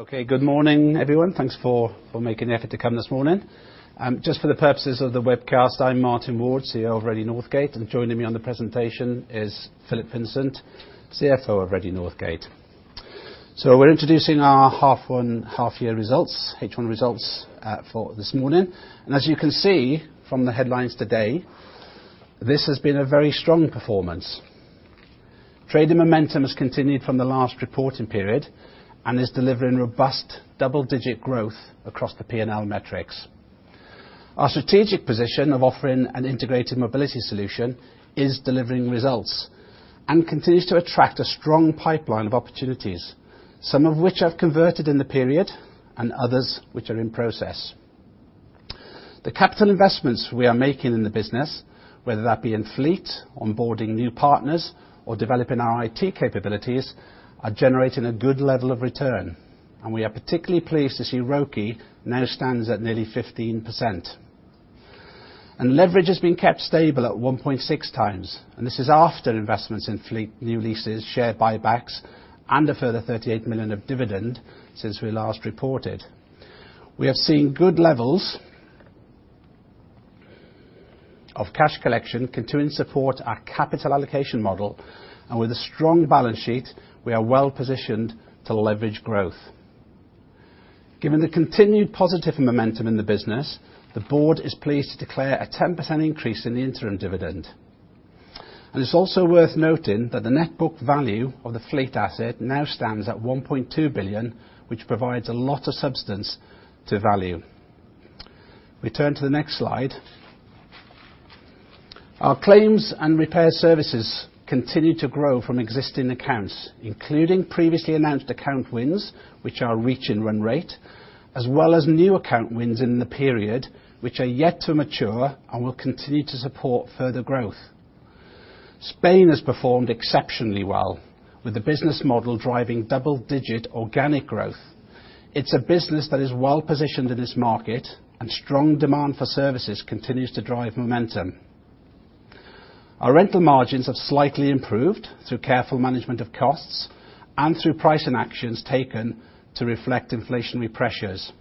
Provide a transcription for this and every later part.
Okay, good morning, everyone. Thanks for making the effort to come this morning. Just for the purposes of the webcast, I'm Martin Ward, CEO of Redde Northgate, and joining me on the presentation is Philip Vincent, CFO of Redde Northgate. We're introducing our H1 half-year results, H1 results, for this morning. As you can see from the headlines today, this has been a very strong performance. Trading momentum has continued from the last reporting period and is delivering robust double-digit growth across the P&L metrics. Our strategic position of offering an integrated mobility solution is delivering results and continues to attract a strong pipeline of opportunities, some of which have converted in the period and others which are in process. The capital investments we are making in the business, whether that be in fleet, onboarding new partners, or developing our IT capabilities, are generating a good level of return, and we are particularly pleased to see ROCE now stands at nearly 15%. Leverage has been kept stable at 1.6 times, and this is after investments in fleet, new leases, share buybacks, and a further 38 million of dividend since we last reported. We have seen good levels of cash collection continue to support our capital allocation model, and with a strong balance sheet, we are well positioned to leverage growth. Given the continued positive momentum in the business, the board is pleased to declare a 10% increase in the interim dividend. It's also worth noting that the net book value of the fleet asset now stands at 1.2 billion, which provides a lot of substance to value. We turn to the next slide. Our claims and repair services continue to grow from existing accounts, including previously announced account wins, which are reaching and run rate, as well as new account wins in the period, which are yet to mature and will continue to support further growth. Spain has performed exceptionally well, with the business model driving double-digit organic growth. It's a business that is well positioned in this market, and strong demand for services continues to drive momentum. Our rental margins have slightly improved through careful management of costs and through pricing actions taken to reflect inflationary pressures.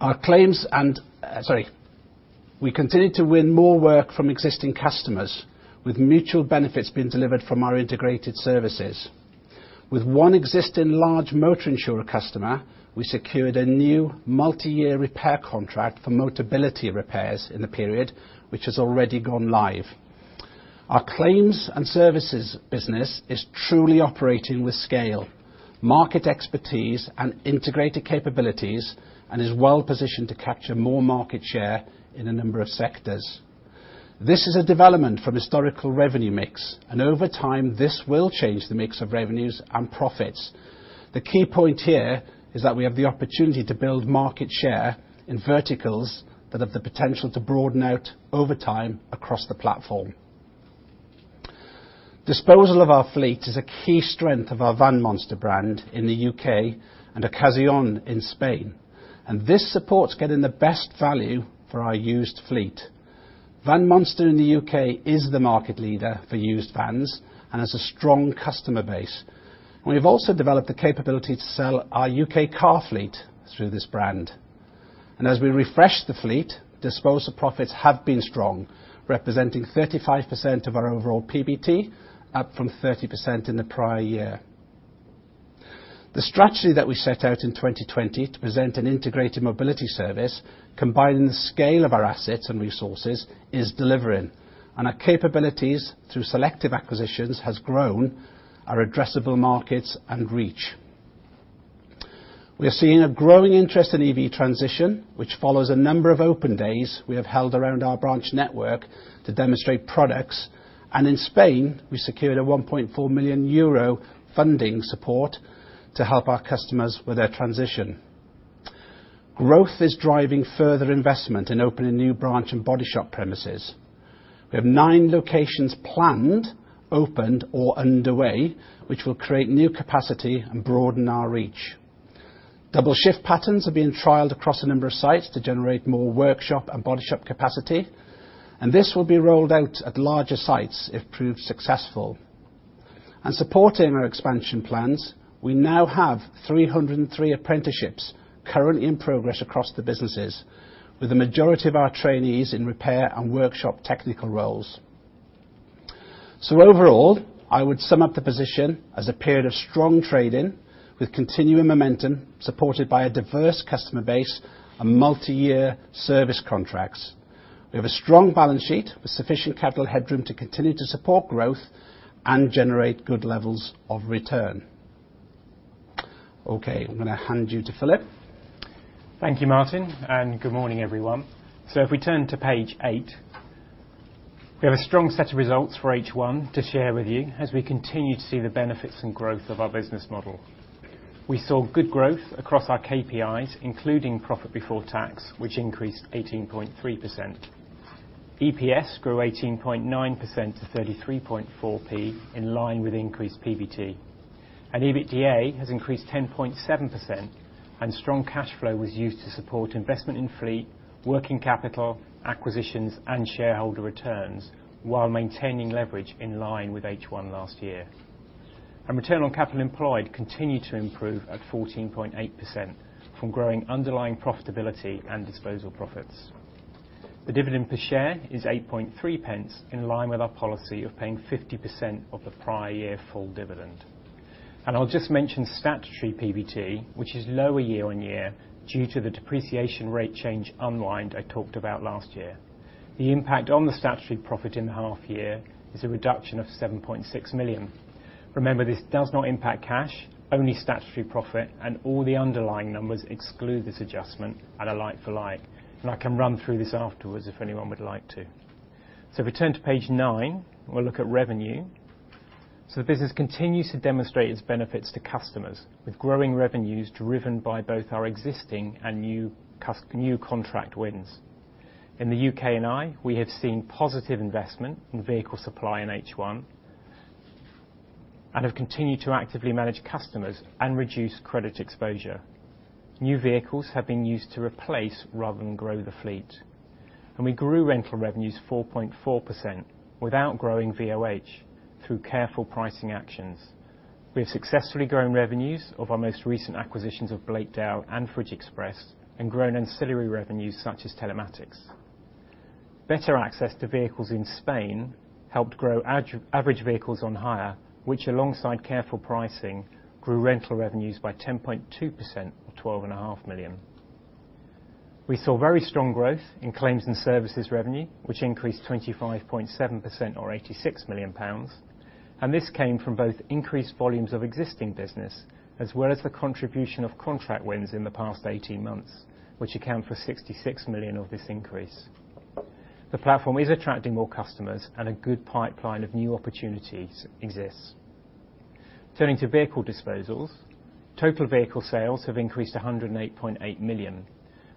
Our claims and We continue to win more work from existing customers, with mutual benefits being delivered from our integrated services. With one existing large motor insurer customer, we secured a new multi-year repair contract for Motability repairs in the period, which has already gone live. Our claims and services business is truly operating with scale, market expertise and integrated capabilities, and is well positioned to capture more market share in a number of sectors. This is a development from historical revenue mix, and over time, this will change the mix of revenues and profits. The key point here is that we have the opportunity to build market share in verticals that have the potential to broaden out over time across the platform. Disposal of our fleet is a key strength of our Van Monster brand in the U.K. and Ocasión in Spain, and this supports getting the best value for our used fleet. Van Monster in the UK is the market leader for used vans and has a strong customer base. We've also developed the capability to sell our UK car fleet through this brand. As we refresh the fleet, disposal profits have been strong, representing 35% of our overall PBT, up from 30% in the prior year. The strategy that we set out in 2020 to present an integrated mobility service, combining the scale of our assets and resources, is delivering, and our capabilities, through selective acquisitions, has grown our addressable markets and reach. We are seeing a growing interest in EV transition, which follows a number of open days we have held around our branch network to demonstrate products. In Spain, we secured a 1.4 million euro funding support to help our customers with their transition. Growth is driving further investment in opening new branch and body shop premises. We have nine locations planned, opened, or underway, which will create new capacity and broaden our reach. Double shift patterns are being trialed across a number of sites to generate more workshop and body shop capacity, and this will be rolled out at larger sites if proved successful. Supporting our expansion plans, we now have 303 apprenticeships currently in progress across the businesses, with the majority of our trainees in repair and workshop technical roles. Overall, I would sum up the position as a period of strong trading with continuing momentum, supported by a diverse customer base and multi-year service contracts. We have a strong balance sheet with sufficient capital headroom to continue to support growth and generate good levels of return. Okay, I'm going to hand you to Philip. Thank you, Martin, and good morning, everyone. So if we turn to page eight, we have a strong set of results for H1 to share with you as we continue to see the benefits and growth of our business model. We saw good growth across our KPIs, including profit before tax, which increased 18.3%. EPS grew 18.9% to 33.4p, in line with increased PBT. And EBITDA has increased 10.7%, and strong cash flow was used to support investment in fleet, working capital, acquisitions, and shareholder returns, while maintaining leverage in line with H1 last year. And return on capital employed continued to improve at 14.8% from growing underlying profitability and disposal profits. The dividend per share is 0.083, in line with our policy of paying 50% of the prior year full dividend. I'll just mention statutory PBT, which is lower year-on-year, due to the depreciation rate change unwind I talked about last year. The impact on the statutory profit in the half year is a reduction of 7.6 million. Remember, this does not impact cash, only statutory profit, and all the underlying numbers exclude this adjustment at a like for like. I can run through this afterwards if anyone would like to. If we turn to page 9, we'll look at revenue. The business continues to demonstrate its benefits to customers, with growing revenues driven by both our existing and new contract wins. In the U.K. and Ireland, we have seen positive investment in vehicle supply in H1, and have continued to actively manage customers and reduce credit exposure. New vehicles have been used to replace rather than grow the fleet, and we grew rental revenues 4.4% without growing VOH through careful pricing actions. We have successfully grown revenues of our most recent acquisitions of Blakedale and FridgeXpress, and grown ancillary revenues such as telematics. Better access to vehicles in Spain helped grow average vehicles on hire, which, alongside careful pricing, grew rental revenues by 10.2%, or 12.5 million. We saw very strong growth in claims and services revenue, which increased 25.7%, or 86 million pounds, and this came from both increased volumes of existing business as well as the contribution of contract wins in the past 18 months, which account for 66 million of this increase. The platform is attracting more customers, and a good pipeline of new opportunities exists. Turning to vehicle disposals, total vehicle sales have increased to 108.8 million,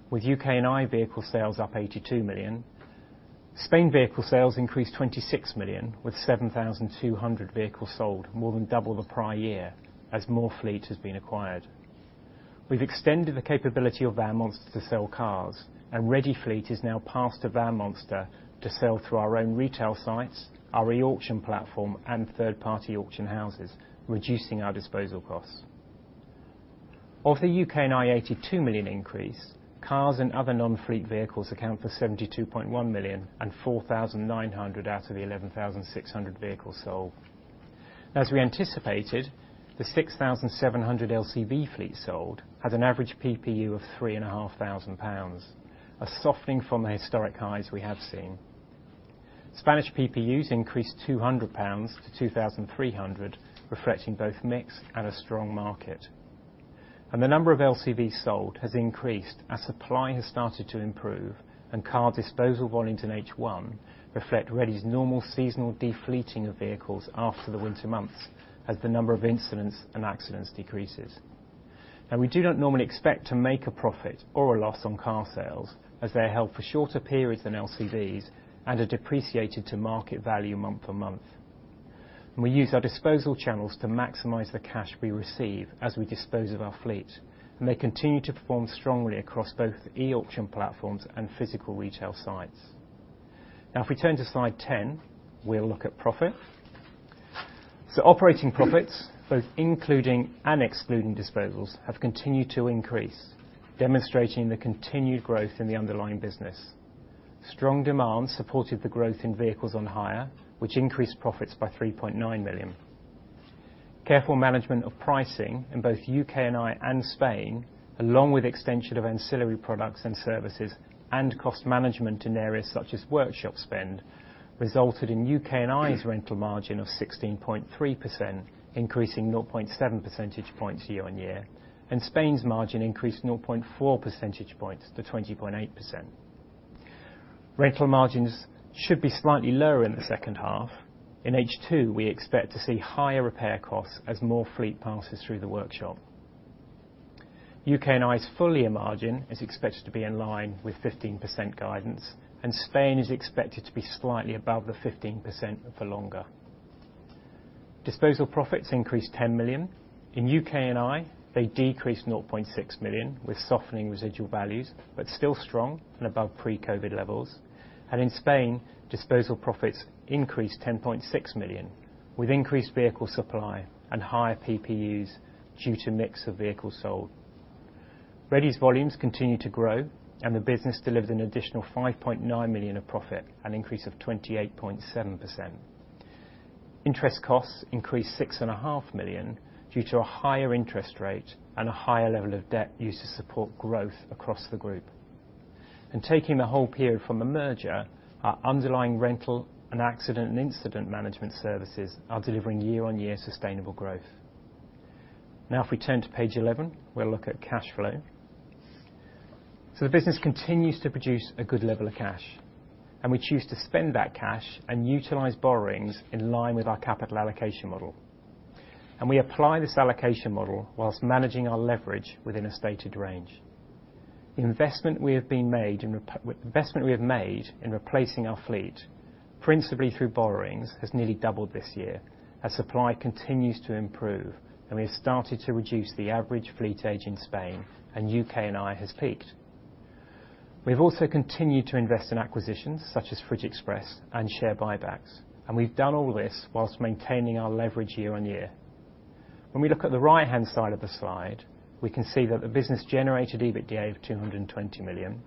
with U.K. and Ireland vehicle sales up 82 million. Spain vehicle sales increased 26 million, with 7,200 vehicles sold, more than double the prior year, as more fleet has been acquired. We've extended the capability of Van Monster to sell cars, and Redde fleet is now passed to Van Monster to sell through our own retail sites, our eAuction platform, and third-party auction houses, reducing our disposal costs. Of the U.K., an 82 million increase, cars and other non-fleet vehicles account for 72.1 million and 4,900 out of the 11,600 vehicles sold. As we anticipated, the 6,700 LCV fleet sold at an average PPU of 3,500 pounds, a softening from the historic highs we have seen. Spanish PPUs increased 200 pounds to 2,300, reflecting both mix and a strong market. The number of LCVs sold has increased as supply has started to improve, and car disposal volumes in H1 reflect Redde's normal seasonal defleeting of vehicles after the winter months, as the number of incidents and accidents decreases. Now, we do not normally expect to make a profit or a loss on car sales, as they are held for shorter periods than LCVs and are depreciated to market value month to month. We use our disposal channels to maximize the cash we receive as we dispose of our fleet, and they continue to perform strongly across both the eAuction platforms and physical retail sites. Now, if we turn to slide 10, we'll look at profit. So operating profits, both including and excluding disposals, have continued to increase, demonstrating the continued growth in the underlying business. Strong demand supported the growth in vehicles on hire, which increased profits by 3.9 million. Careful management of pricing in both U.K. and Ireland and Spain, along with extension of ancillary products and services and cost management in areas such as workshop spend, resulted in U.K. and Ireland's rental margin of 16.3%, increasing 0.7% year-on-year, and Spain's margin increased 0.4% to 20.8%. Rental margins should be slightly lower in the second half. In H2, we expect to see higher repair costs as more fleet passes through the workshop. U.K. and Ireland's full year margin is expected to be in line with 15% guidance, and Spain is expected to be slightly above the 15% for longer. Disposal profits increased 10 million. In U.K. and Ireland, they decreased 0.6 million, with softening residual values, but still strong and above pre-COVID levels. In Spain, disposal profits increased 10.6 million, with increased vehicle supply and higher PPUs due to mix of vehicles sold. Redde's volumes continue to grow, and the business delivered an additional 5.9 million of profit, an increase of 28.7%. Interest costs increased 6.5 million due to a higher interest rate and a higher level of debt used to support growth across the group. Taking the whole period from the merger, our underlying rental and accident and incident management services are delivering year-on-year sustainable growth. Now, if we turn to page 11, we'll look at cash flow. The business continues to produce a good level of cash, and we choose to spend that cash and utilize borrowings in line with our capital allocation model. We apply this allocation model whilst managing our leverage within a stated range.... The investment we have made in replacing our fleet, principally through borrowings, has nearly doubled this year as supply continues to improve, and we have started to reduce the average fleet age in Spain and the U.K., and it has peaked. We've also continued to invest in acquisitions such as FridgeXpress and share buybacks, and we've done all this while maintaining our leverage year-over-year. When we look at the right-hand side of the slide, we can see that the business generated EBITDA of 220 million.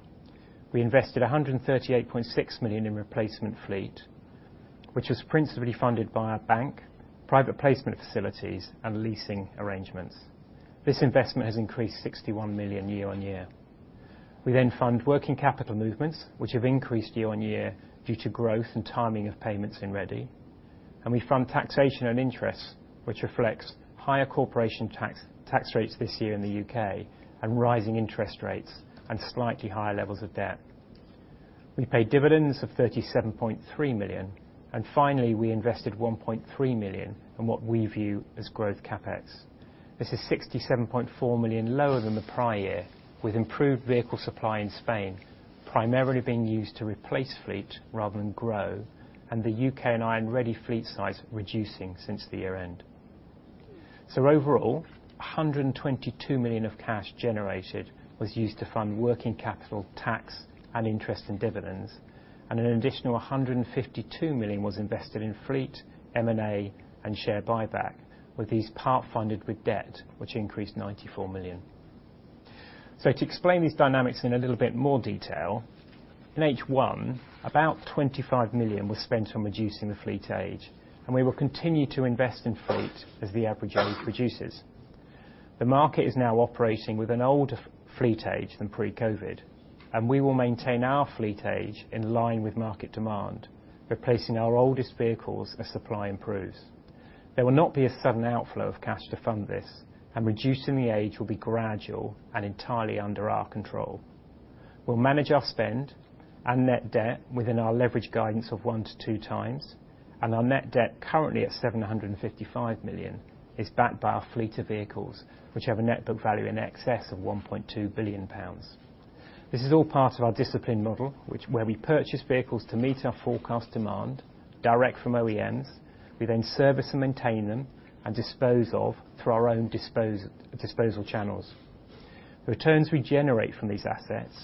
We invested 138.6 million in replacement fleet, which was principally funded by our bank, private placement facilities, and leasing arrangements. This investment has increased 61 million year-over-year. We then fund working capital movements, which have increased year-over-year due to growth and timing of payments in Redde, and we fund taxation and interest, which reflects higher corporation tax, tax rates this year in the U.K., and rising interest rates, and slightly higher levels of debt. We paid dividends of 37.3 million, and finally, we invested 1.3 million in what we view as growth CapEx. This is 67.4 million lower than the prior year, with improved vehicle supply in Spain, primarily being used to replace fleet rather than grow, and the U.K. and Ireland and Redde fleet size reducing since the year end. So overall, 122 million of cash generated was used to fund working capital, tax, and interest and dividends, and an additional 152 million was invested in fleet, M&A, and share buyback, with these part-funded with debt, which increased 94 million. So to explain these dynamics in a little bit more detail, in H1, about 25 million was spent on reducing the fleet age, and we will continue to invest in fleet as the average age reduces. The market is now operating with an older fleet age than pre-COVID, and we will maintain our fleet age in line with market demand, replacing our oldest vehicles as supply improves. There will not be a sudden outflow of cash to fund this, and reducing the age will be gradual and entirely under our control. We'll manage our spend and net debt within our leverage guidance of one-two times, and our net debt, currently at 755 million, is backed by our fleet of vehicles, which have a net book value in excess of 1.2 billion pounds. This is all part of our disciplined model, where we purchase vehicles to meet our forecast demand direct from OEMs, we then service and maintain them, and dispose of through our own disposal channels. The returns we generate from these assets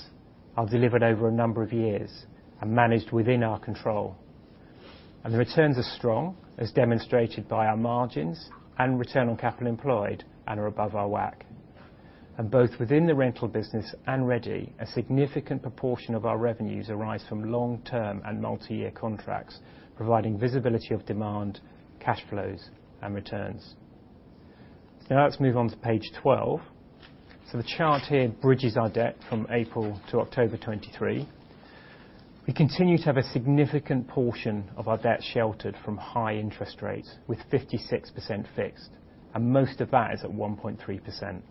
are delivered over a number of years and managed within our control. The returns are strong, as demonstrated by our margins and return on capital employed, and are above our WACC. Both within the rental business and Redde, a significant proportion of our revenues arise from long-term and multi-year contracts, providing visibility of demand, cash flows, and returns. Now, let's move on to page 12. The chart here bridges our debt from April to October 2023. We continue to have a significant portion of our debt sheltered from high interest rates, with 56% fixed, and most of that is at 1.3%,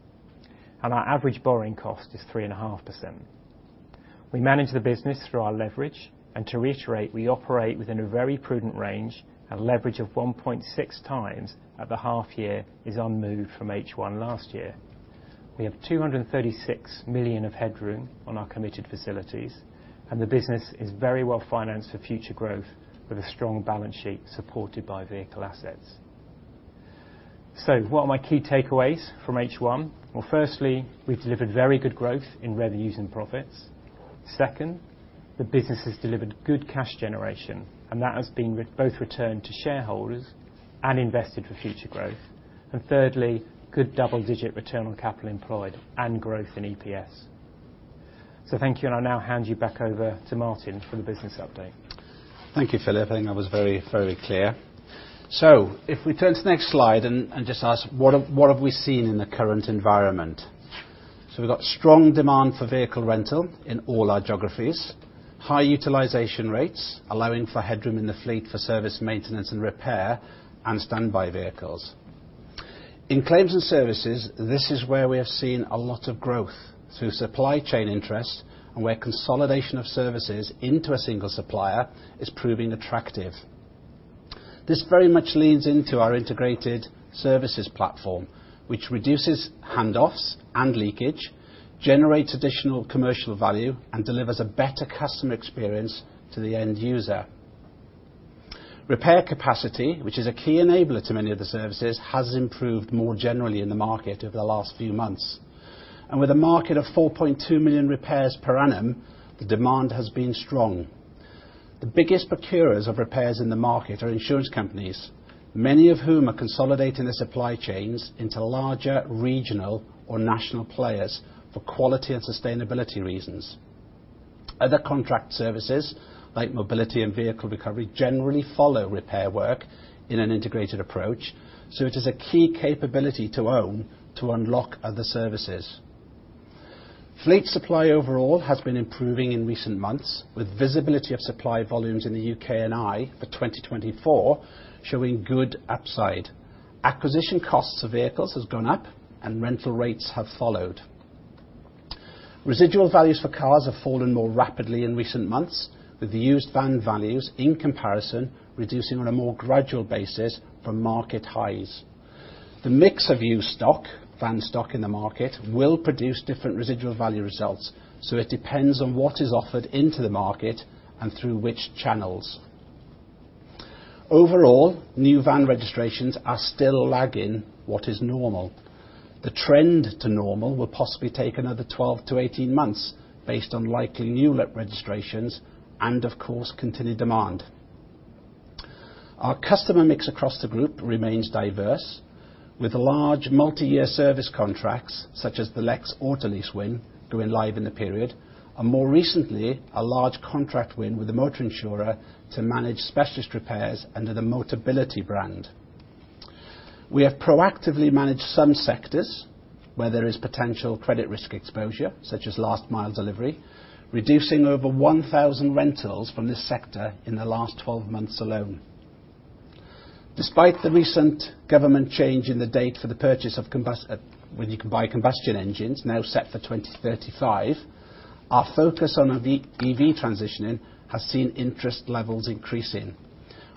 and our average borrowing cost is 3.5%. We manage the business through our leverage, and to reiterate, we operate within a very prudent range, and leverage of 1.6x at the half year is unmoved from H1 last year. We have 236 million of headroom on our committed facilities, and the business is very well-financed for future growth, with a strong balance sheet supported by vehicle assets. So what are my key takeaways from H1? Well, firstly, we've delivered very good growth in revenues and profits. Second, the business has delivered good cash generation, and that has been both returned to shareholders and invested for future growth. And thirdly, good double-digit return on capital employed and growth in EPS. So thank you, and I'll now hand you back over to Martin for the business update. Thank you, Philip. I think that was very, very clear. So if we turn to the next slide and just ask, what have we seen in the current environment? So we've got strong demand for vehicle rental in all our geographies, high utilization rates, allowing for headroom in the fleet for service maintenance and repair, and standby vehicles. In Claims and Services, this is where we have seen a lot of growth through supply chain interest and where consolidation of services into a single supplier is proving attractive. This very much leads into our integrated services platform, which reduces handoffs and leakage, generates additional commercial value, and delivers a better customer experience to the end user. Repair capacity, which is a key enabler to many of the services, has improved more generally in the market over the last few months, and with a market of 4.2 million repairs per annum, the demand has been strong. The biggest procurers of repairs in the market are insurance companies, many of whom are consolidating their supply chains into larger regional or national players for quality and sustainability reasons. Other contract services, like mobility and vehicle recovery, generally follow repair work in an integrated approach, so it is a key capability to own to unlock other services. Fleet supply overall has been improving in recent months, with visibility of supply volumes in the U.K. and Ireland for 2024 showing good upside. Acquisition costs of vehicles has gone up, and rental rates have followed. Residual values for cars have fallen more rapidly in recent months, with the used van values, in comparison, reducing on a more gradual basis from market highs. The mix of used stock, van stock in the market, will produce different residual value results, so it depends on what is offered into the market and through which channels. Overall, new van registrations are still lagging what is normal. The trend to normal will possibly take another 12-18 months based on likely new registrations and, of course, continued demand. Our customer mix across the group remains diverse, with large multi-year service contracts, such as the Lex Autolease win, going live in the period, and more recently, a large contract win with the motor insurer to manage specialist repairs under the Motability brand. We have proactively managed some sectors where there is potential credit risk exposure, such as last mile delivery, reducing over 1,000 rentals from this sector in the last 12 months alone. Despite the recent government change in the date for the purchase of, when you can buy combustion engines, now set for 2035, our focus on EV, EV transitioning has seen interest levels increasing.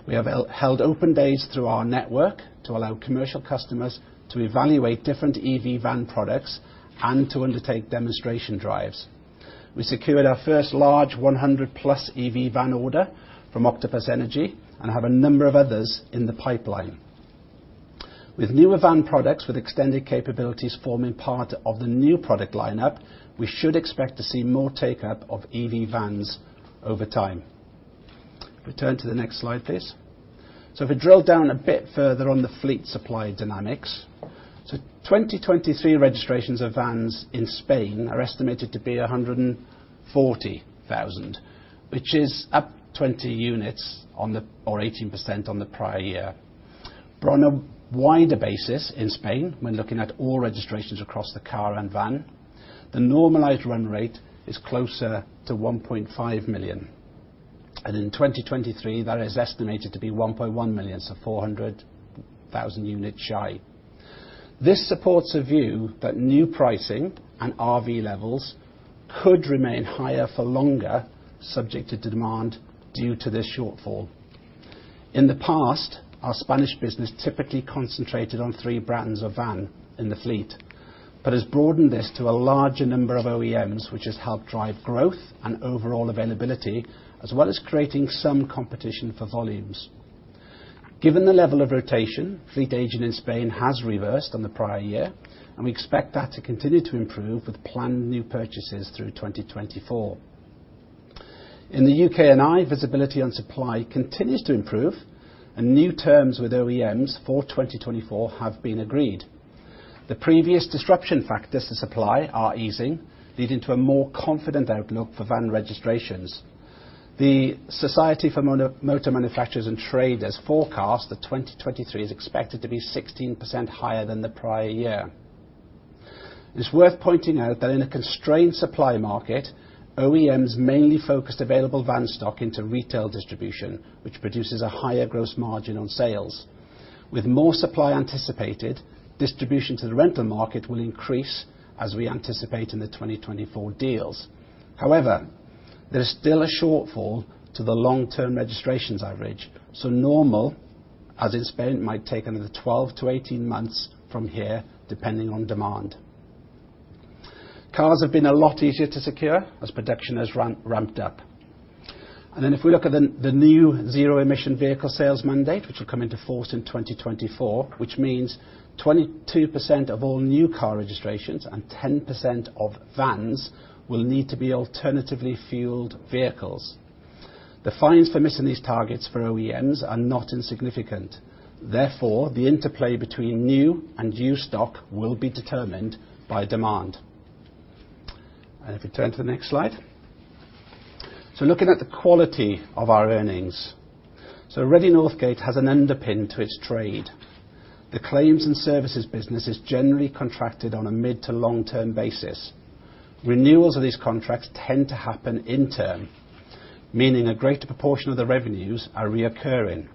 We have held open days through our network to allow commercial customers to evaluate different EV van products and to undertake demonstration drives. We secured our first large 100+ EV van order from Octopus Energy and have a number of others in the pipeline. With newer van products with extended capabilities forming part of the new product lineup, we should expect to see more uptake of EV vans over time. Return to the next slide, please. So if we drill down a bit further on the fleet supply dynamics, 2023 registrations of vans in Spain are estimated to be 140,000, which is up 20 units or 18% on the prior year. But on a wider basis, in Spain, when looking at all registrations across the car and van, the normalized run rate is closer to 1.5 million, and in 2023, that is estimated to be 1.1 million, so 400,000 units shy. This supports a view that new pricing and RV levels could remain higher for longer, subject to demand due to this shortfall. In the past, our Spanish business typically concentrated on three brands of van in the fleet, but has broadened this to a larger number of OEMs, which has helped drive growth and overall availability, as well as creating some competition for volumes. Given the level of rotation, fleet aging in Spain has reversed on the prior year, and we expect that to continue to improve with planned new purchases through 2024. In the U.K. and Ireland, visibility on supply continues to improve, and new terms with OEMs for 2024 have been agreed. The previous disruption factors to supply are easing, leading to a more confident outlook for van registrations. The Society of Motor Manufacturers and Traders forecast that 2023 is expected to be 16% higher than the prior year. It's worth pointing out that in a constrained supply market, OEMs mainly focused available van stock into retail distribution, which produces a higher gross margin on sales. With more supply anticipated, distribution to the rental market will increase as we anticipate in the 2024 deals. However, there is still a shortfall to the long-term registrations average, so normal, as in Spain, might take another 12-18 months from here, depending on demand. Cars have been a lot easier to secure as production has ramped up. And then, if we look at the, the new zero-emission vehicle sales mandate, which will come into force in 2024, which means 22% of all new car registrations and 10% of vans will need to be alternatively fueled vehicles. The fines for missing these targets for OEMs are not insignificant. Therefore, the interplay between new and used stock will be determined by demand. If we turn to the next slide. Looking at the quality of our earnings. Redde Northgate has an underpin to its trade. The claims and services business is generally contracted on a mid- to long-term basis. Renewals of these contracts tend to happen in turn, meaning a greater proportion of the revenues are recurring.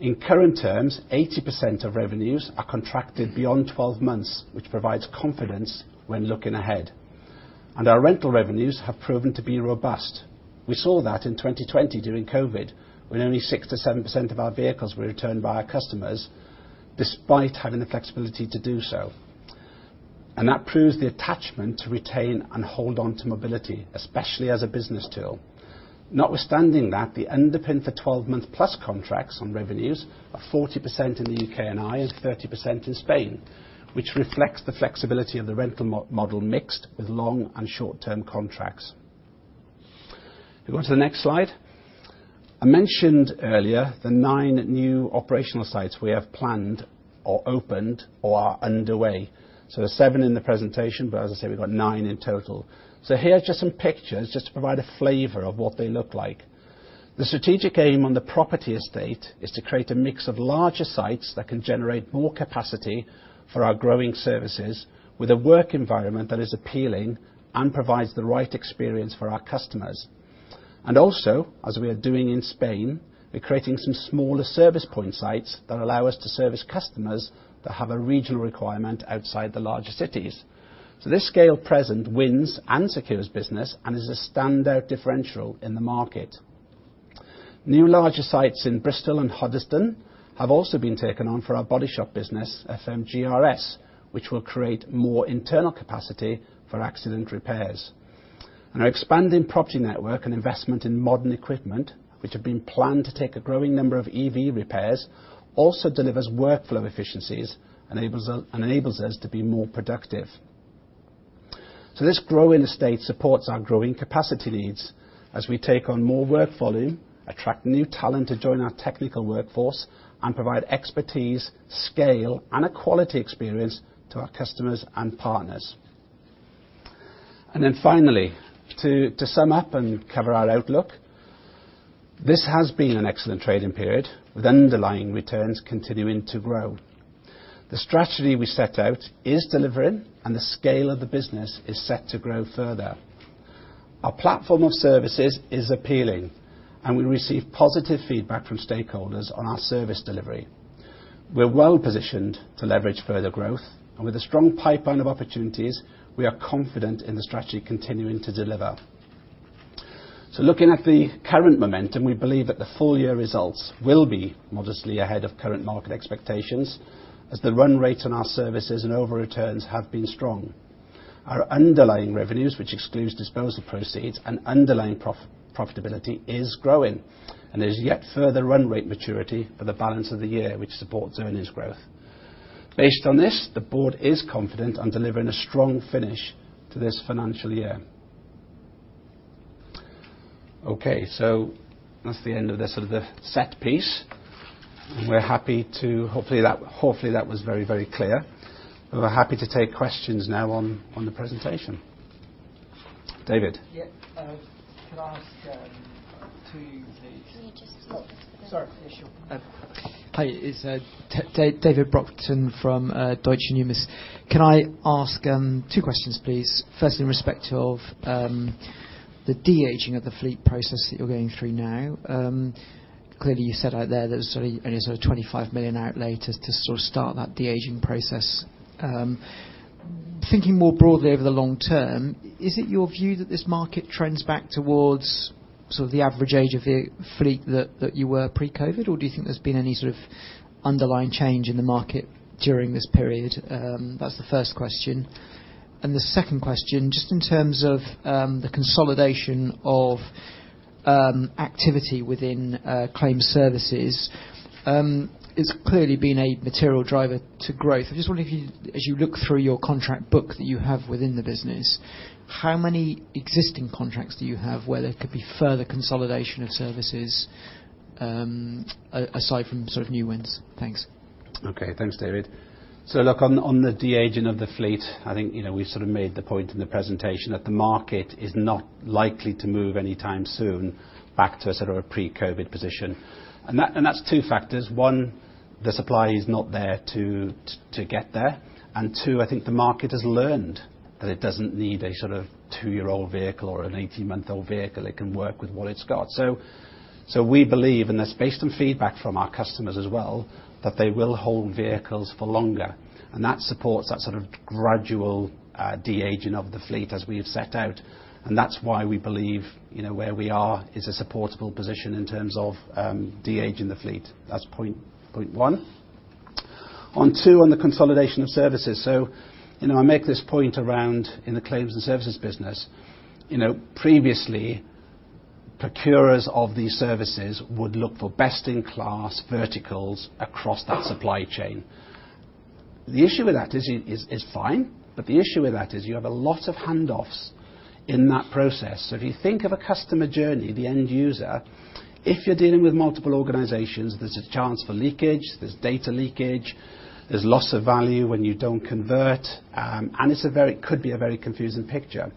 In current terms, 80% of revenues are contracted beyond 12 months, which provides confidence when looking ahead, and our rental revenues have proven to be robust. We saw that in 2020 during COVID, when only 6%-7% of our vehicles were returned by our customers, despite having the flexibility to do so. That proves the attachment to retain and hold on to mobility, especially as a business tool. Notwithstanding that, the underpin for 12-month-plus contracts on revenues are 40% in the U.K. and I, and 30% in Spain, which reflects the flexibility of the rental model mixed with long and short-term contracts. We go to the next slide. I mentioned earlier the nine new operational sites we have planned or opened or are underway. So there's seven in the presentation, but as I said, we've got nine in total. So here are just some pictures just to provide a flavor of what they look like. The strategic aim on the property estate is to create a mix of larger sites that can generate more capacity for our growing services, with a work environment that is appealing and provides the right experience for our customers. Also, as we are doing in Spain, we're creating some smaller service point sites that allow us to service customers that have a regional requirement outside the larger cities. This scale presents wins and secures business and is a standout differential in the market. New larger sites in Bristol and Huddersfield have also been taken on for our body shop business, FMG RS, which will create more internal capacity for accident repairs. Our expanding property network and investment in modern equipment, which have been planned to take a growing number of EV repairs, also delivers workflow efficiencies, enables us, and enables us to be more productive. This growing estate supports our growing capacity needs as we take on more work volume, attract new talent to join our technical workforce, and provide expertise, scale, and a quality experience to our customers and partners. And then finally, to sum up and cover our outlook, this has been an excellent trading period, with underlying returns continuing to grow. The strategy we set out is delivering, and the scale of the business is set to grow further. Our platform of services is appealing, and we receive positive feedback from stakeholders on our service delivery. We're well positioned to leverage further growth, and with a strong pipeline of opportunities, we are confident in the strategy continuing to deliver. So looking at the current momentum, we believe that the full year results will be modestly ahead of current market expectations, as the run rate on our services and overall returns have been strong. Our underlying revenues, which excludes disposal proceeds and underlying profitability, is growing, and there's yet further run rate maturity for the balance of the year, which supports earnings growth. Based on this, the board is confident on delivering a strong finish to this financial year. Okay, so that's the end of the sort of the set piece, and we're happy to... Hopefully, that, hopefully, that was very, very clear. But we're happy to take questions now on, on the presentation. David? Yeah, can I ask two, please? Can you just- Sorry. Yeah, sure. Hi, it's David Brockton from Deutsche Numis. Can I ask two questions, please? First, in respect of the de-aging of the fleet process that you're going through now. Clearly, you set out there that there's sort of only sort of 25 million outlays to sort of start that de-aging process. Thinking more broadly over the long term, is it your view that this market trends back towards sort of the average age of the fleet that you were pre-COVID? Or do you think there's been any sort of underlying change in the market during this period? That's the first question. And the second question, just in terms of the consolidation of activity within claims services, it's clearly been a material driver to growth. I just wonder if you, as you look through your contract book that you have within the business, how many existing contracts do you have, where there could be further consolidation of services, aside from sort of new wins? Thanks. Okay. Thanks, David. So look, on the de-aging of the fleet, I think, you know, we sort of made the point in the presentation that the market is not likely to move anytime soon back to a sort of a pre-COVID position. And that's two factors. One, the supply is not there to get there, and two, I think the market has learned that it doesn't need a sort of two-year-old vehicle or an 18-month-old vehicle. It can work with what it's got. So we believe, and that's based on feedback from our customers as well, that they will hold vehicles for longer, and that supports that sort of gradual de-aging of the fleet, as we have set out. And that's why we believe, you know, where we are is a supportable position in terms of de-aging the fleet. That's point, point one. On two, on the consolidation of services. So, you know, I make this point around in the claims and services business. You know, previously, procurers of these services would look for best-in-class verticals across that supply chain. The issue with that is fine, but the issue with that is you have a lot of handoffs in that process. So if you think of a customer journey, the end user, if you're dealing with multiple organizations, there's a chance for leakage. There's data leakage, there's loss of value when you don't convert, and it could be a very confusing picture.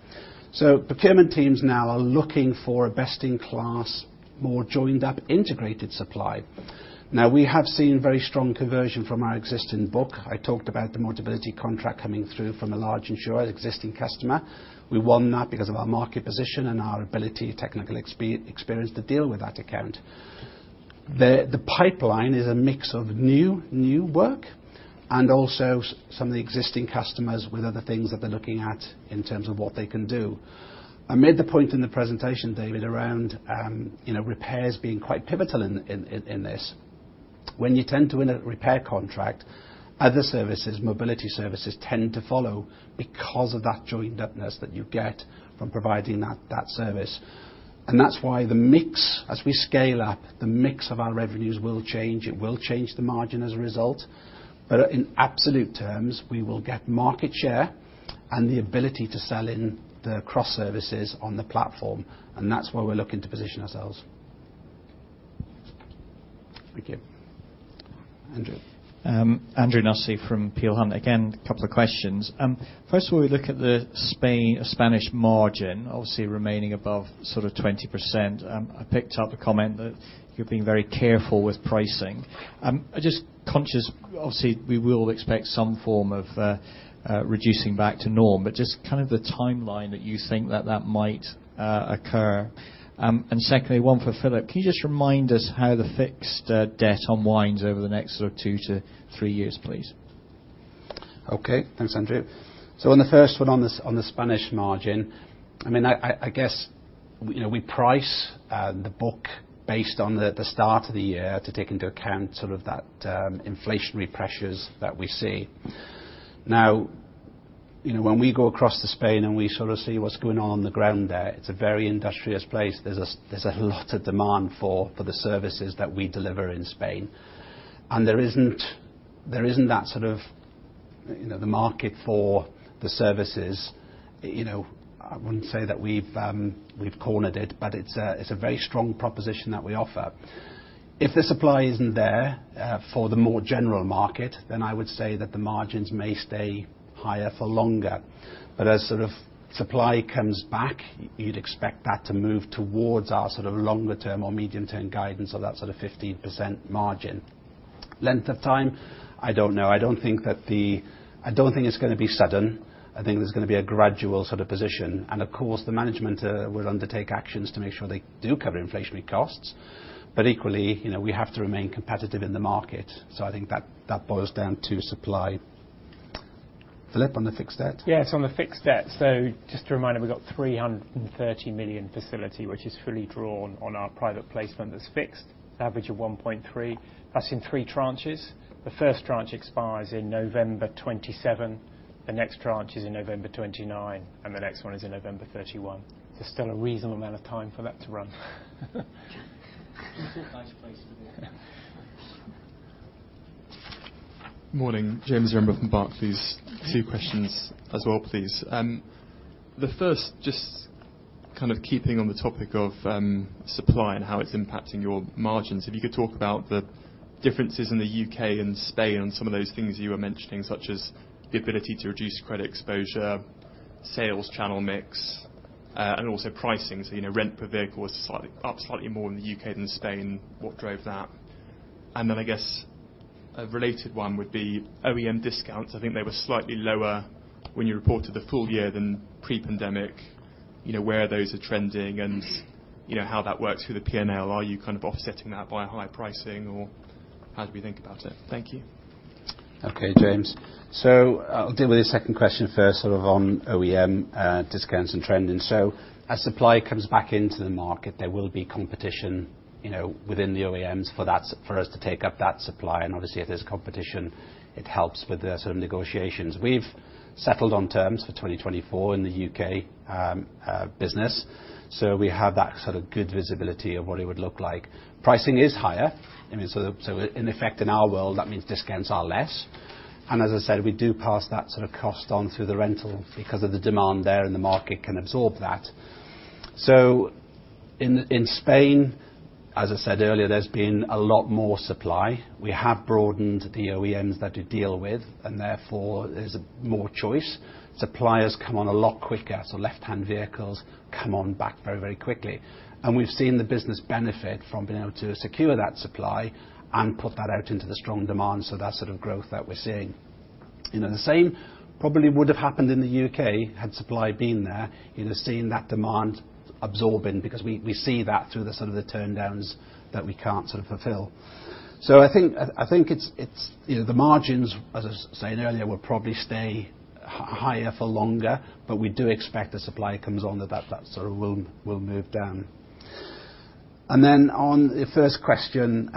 So procurement teams now are looking for a best-in-class, more joined-up, integrated supply. Now, we have seen very strong conversion from our existing book. I talked about the mobility contract coming through from a large insurer, existing customer. We won that because of our market position and our ability, technical experience to deal with that account. The pipeline is a mix of new work and also some of the existing customers with other things that they're looking at in terms of what they can do. I made the point in the presentation, David, around, you know, repairs being quite pivotal in this. When you tend to win a repair contract, other services, mobility services, tend to follow because of that joined-up-ness that you get from providing that service. And that's why the mix, as we scale up, the mix of our revenues will change. It will change the margin as a result. In absolute terms, we will get market share and the ability to sell in the cross services on the platform, and that's where we're looking to position ourselves. Thank you. Andrew? Andrew Sherlock from Peel Hunt. Again, a couple of questions. First of all, we look at the Spanish margin, obviously remaining above sort of 20%. I picked up a comment that you're being very careful with pricing. I'm just conscious... Obviously, we will expect some form of reducing back to norm, but just kind of the timeline that you think that that might occur. And secondly, one for Philip. Can you just remind us how the fixed debt unwinds over the next sort of two-three years, please?... Okay, thanks, Andrew. So on the first one, on the Spanish margin, I mean, I guess, you know, we price the book based on the start of the year to take into account sort of that inflationary pressures that we see. Now, you know, when we go across to Spain, and we sort of see what's going on on the ground there, it's a very industrious place. There's a lot of demand for the services that we deliver in Spain, and there isn't that sort of, you know, the market for the services. You know, I wouldn't say that we've cornered it, but it's a very strong proposition that we offer. If the supply isn't there, for the more general market, then I would say that the margins may stay higher for longer. But as sort of supply comes back, you'd expect that to move towards our sort of longer-term or medium-term guidance of that sort of 15% margin. Length of time? I don't know. I don't think it's gonna be sudden. I think there's gonna be a gradual sort of position, and of course, the management will undertake actions to make sure they do cover inflationary costs. But equally, you know, we have to remain competitive in the market, so I think that boils down to supply. Philip, on the fixed debt? Yeah, so on the fixed debt, so just a reminder, we've got 330 million facility, which is fully drawn on our private placement that's fixed, average of 1.3. That's in three tranches. The first tranche expires in November 2027, the next tranche is in November 2029, and the next one is in November 2031. There's still a reasonable amount of time for that to run. Nice place to be. Yeah. Morning. James Sherlock from Barclays. Two questions as well, please. The first, just kind of keeping on the topic of supply and how it's impacting your margins, if you could talk about the differences in the U.K. and Spain on some of those things you were mentioning, such as the ability to reduce credit exposure, sales channel mix, and also pricing. So, you know, rent per vehicle was slightly up, slightly more in the U.K. than Spain. What drove that? And then, I guess, a related one would be OEM discounts. I think they were slightly lower when you reported the full year than pre-pandemic. You know, where those are trending and, you know, how that works through the P&L. Are you kind of offsetting that by higher pricing, or how do we think about it? Thank you. Okay, James. I'll deal with your second question first, sort of on OEM discounts and trending. As supply comes back into the market, there will be competition, you know, within the OEMs for that, for us to take up that supply, and obviously, if there's competition, it helps with the sort of negotiations. We've settled on terms for 2024 in the U.K. business, so we have that sort of good visibility of what it would look like. Pricing is higher, I mean, in effect, in our world, that means discounts are less. And as I said, we do pass that sort of cost on through the rental because of the demand there, and the market can absorb that. In Spain, as I said earlier, there's been a lot more supply. We have broadened the OEMs that we deal with, and therefore, there's more choice. Suppliers come on a lot quicker, so left-hand vehicles come on back very, very quickly. We've seen the business benefit from being able to secure that supply and put that out into the strong demand, so that's sort of growth that we're seeing. You know, the same probably would have happened in the U.K. had supply been there. You know, seeing that demand absorbing, because we see that through the sort of the turndowns that we can't sort of fulfill. So I think it's... You know, the margins, as I was saying earlier, will probably stay higher for longer, but we do expect as supply comes on, that will move down. Then on the first question,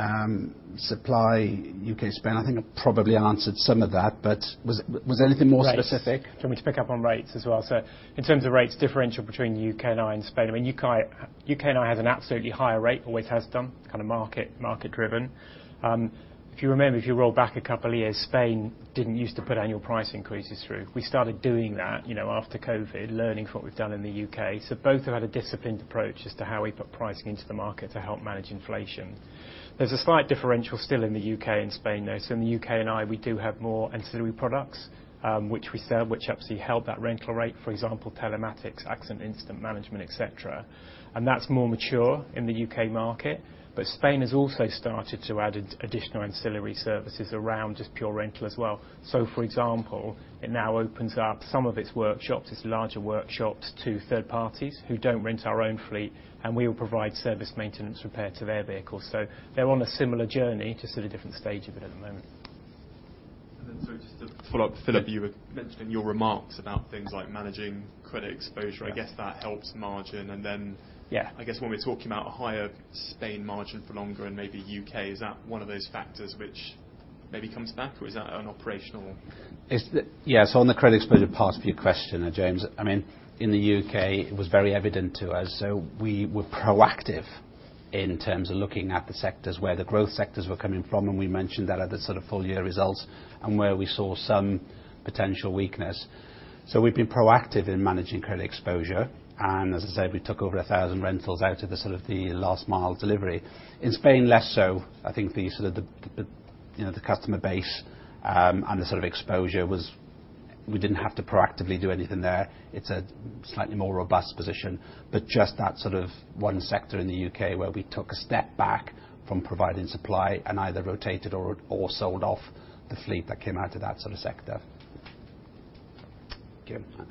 supply, U.K., Spain, I think I probably answered some of that, but was there anything more specific? Rates. Do you want me to pick up on rates as well? So in terms of rates, differential between the U.K. and Ireland and Spain, I mean, U.K. and Ireland has an absolutely higher rate, always has done, kind of market driven. If you remember, if you roll back a couple of years, Spain didn't use to put annual price increases through. We started doing that, you know, after COVID, learning from what we've done in the U.K. So both have had a disciplined approach as to how we put pricing into the market to help manage inflation. There's a slight differential still in the U.K. and Spain, though. So in the U.K .and Ireland, we do have more ancillary products, which we sell, which obviously help that rental rate, for example, telematics, accident and incident management, et cetera. And that's more mature in the UK market. Spain has also started to add additional ancillary services around just pure rental as well. For example, it now opens up some of its workshops, its larger workshops, to third parties who don't rent our own fleet, and we will provide service, maintenance, repair to their vehicles. They're on a similar journey, just at a different stage of it at the moment. Just to follow up, Philip, you were mentioning in your remarks about things like managing credit exposure. Yeah. I guess that helps margin. And then- Yeah ... I guess when we're talking about a higher Spain margin for longer and maybe U.K., is that one of those factors which maybe comes back, or is that an operational? Yeah, so on the credit exposure part of your question, James, I mean, in the U.K., it was very evident to us, so we were proactive in terms of looking at the sectors, where the growth sectors were coming from, and we mentioned that at the sort of full year results and where we saw some potential weakness. So we've been proactive in managing credit exposure, and as I said, we took over 1,000 rentals out to the sort of last mile delivery. In Spain, less so. I think the sort of, you know, the customer base, and the sort of exposure was... We didn't have to proactively do anything there. It's a slightly more robust position, but just that sort of one sector in the U.K., where we took a step back from providing supply and either rotated or sold off the fleet that came out of that sort of sector. Thank you. ...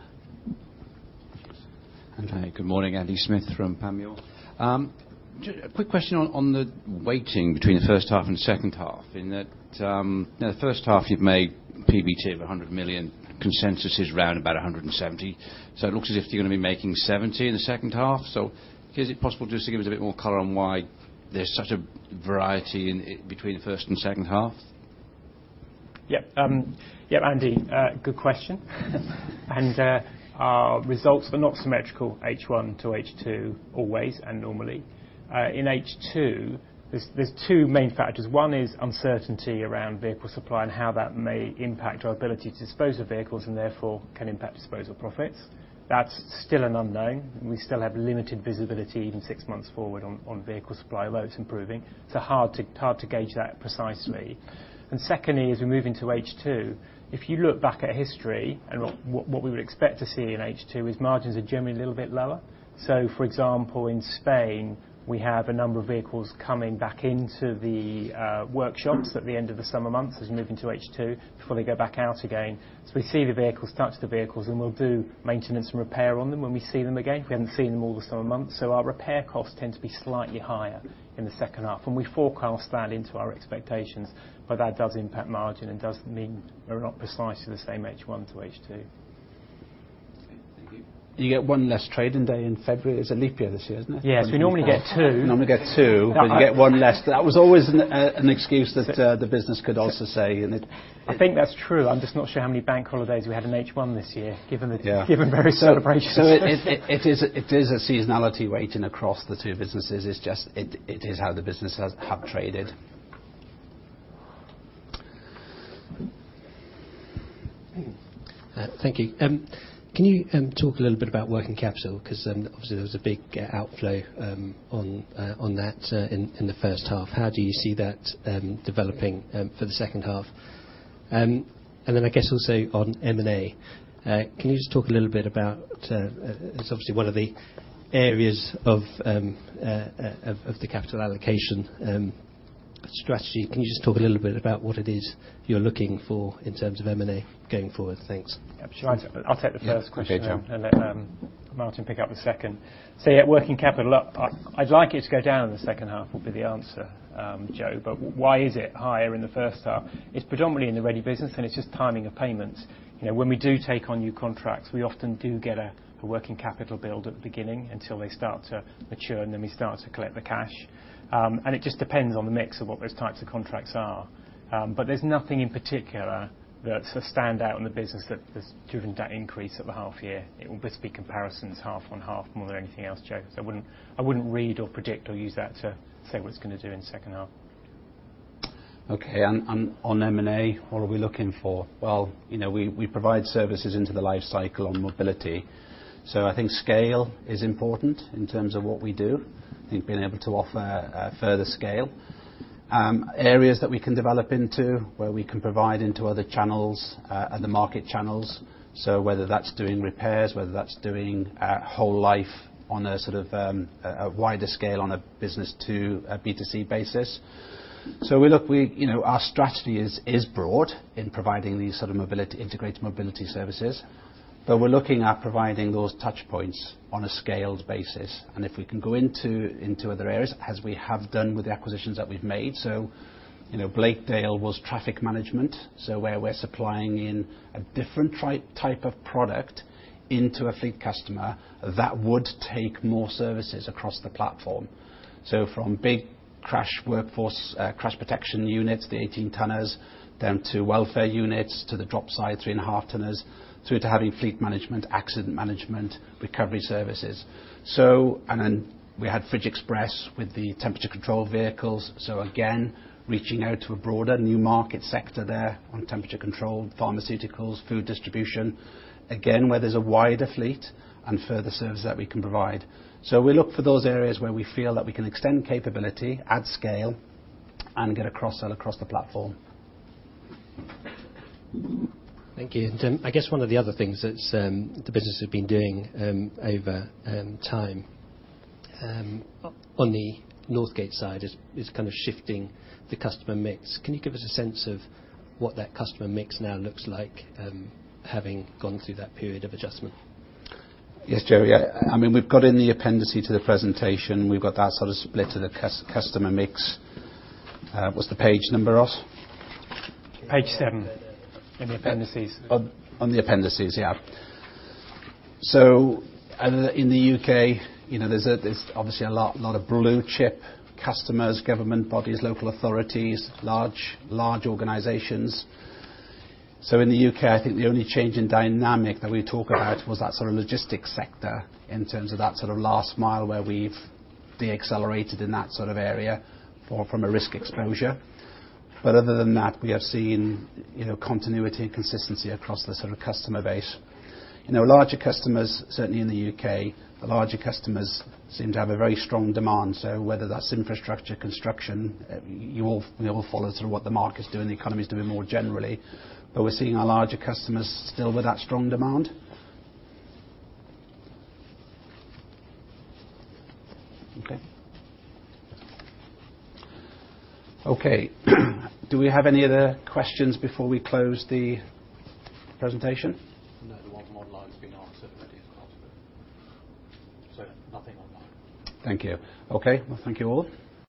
Hi, good morning, Andy Smith from Panmure. Just a quick question on the weighting between the first half and second half, in that in the first half, you've made PBT of 100 million, consensus is round about 170. So it looks as if you're gonna be making 70 in the second half. So is it possible just to give us a bit more color on why there's such a variety in between the first and second half? Yep, yeah, Andrew, good question. And, our results are not symmetrical H1 to H2, always and normally. In H2, there's two main factors. One is uncertainty around vehicle supply and how that may impact our ability to dispose of vehicles, and therefore, can impact disposal profits. That's still an unknown, and we still have limited visibility, even six months forward on vehicle supply, although it's improving. It's hard to gauge that precisely. And secondly, as we move into H2, if you look back at history and what we would expect to see in H2, is margins are generally a little bit lower. So for example, in Spain, we have a number of vehicles coming back into the workshops at the end of the summer months as we move into H2, before they go back out again. So we see the vehicles, touch the vehicles, and we'll do maintenance and repair on them when we see them again. We haven't seen them over the summer months, so our repair costs tend to be slightly higher in the second half, and we forecast that into our expectations, but that does impact margin, and does mean we're not precisely the same H1 to H2. Thank you. You get one less trading day in February. It's a leap year this year, isn't it? Yes, we normally get two. You normally get two, but you get one less. That was always an excuse that the business could also say, and it- I think that's true. I'm just not sure how many bank holidays we had in H1 this year, given the- Yeah... given very celebrations. So it is a seasonality weighting across the two businesses. It's just how the business has traded. Thank you. Can you talk a little bit about working capital? 'Cause then, obviously, there was a big outflow on that in the first half. How do you see that developing for the second half? And then I guess also on M&A, can you just talk a little bit about... It's obviously one of the areas of the capital allocation strategy. Can you just talk a little bit about what it is you're looking for in terms of M&A going forward? Thanks. Sure. I'll take the first question- Okay, sure... and let Martin pick up the second. So, yeah, working capital, I, I'd like it to go down in the second half, would be the answer, Joe. But why is it higher in the first half? It's predominantly in the Redde business, and it's just timing of payments. You know, when we do take on new contracts, we often do get a working capital build at the beginning until they start to mature, and then we start to collect the cash. And it just depends on the mix of what those types of contracts are. But there's nothing in particular that sort of stand out in the business that has driven that increase at the half year. It would just be comparisons, half on half, more than anything else, Joe, so I wouldn't, I wouldn't read or predict or use that to say what it's gonna do in the second half. Okay, and on M&A, what are we looking for? Well, you know, we provide services into the life cycle on mobility, so I think scale is important in terms of what we do. I think being able to offer further scale. Areas that we can develop into, where we can provide into other channels and the market channels, so whether that's doing repairs, whether that's doing whole life on a sort of a wider scale on a business to a B2C basis. So we, you know, our strategy is broad in providing these sort of mobility, integrated mobility services, but we're looking at providing those touch points on a scaled basis, and if we can go into other areas, as we have done with the acquisitions that we've made. So, you know, Blakedale was traffic management, so where we're supplying in a different type of product into a fleet customer, that would take more services across the platform. So from big crash workforce, crash protection units, the 18 tonners, down to welfare units, to the drop side, 3.5 tonners, through to having fleet management, accident management, recovery services. So, and then we had FridgeXpress with the temperature control vehicles. So again, reaching out to a broader new market sector there on temperature control, pharmaceuticals, food distribution, again, where there's a wider fleet and further services that we can provide. So we look for those areas where we feel that we can extend capability, add scale, and get a cross-sell across the platform. Thank you. I guess one of the other things that the business has been doing over time on the Northgate side is kind of shifting the customer mix. Can you give us a sense of what that customer mix now looks like, having gone through that period of adjustment? Yes, Joe. Yeah. I mean, we've got in the appendix to the presentation, we've got that sort of split to the customer mix. What's the page number, Ross? Page seven, in the appendices. On the appendices, yeah. So other than in the U.K., you know, there's obviously a lot, lot of blue chip customers, government bodies, local authorities, large, large organizations. So in the U.K., I think the only change in dynamic that we talk about was that sort of logistics sector, in terms of that sort of last mile, where we've decelerated in that sort of area from a risk exposure. But other than that, we have seen, you know, continuity and consistency across the sort of customer base. You know, larger customers, certainly in the U.K., the larger customers seem to have a very strong demand. So whether that's infrastructure, construction, you all, you know, follow sort of what the market's doing, the economy is doing more generally, but we're seeing our larger customers still with that strong demand. Okay. Okay. Do we have any other questions before we close the presentation? No, the ones online have been answered already. Nothing online. Thank you. Okay. Well, thank you all.